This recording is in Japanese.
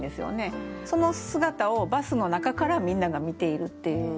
その姿をバスの中からみんなが見ているっていう。